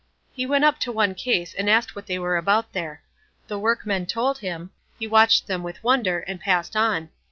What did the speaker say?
He went up to one case and asked what they were about there; the workmen told him, he watched them with wonder, and passed on.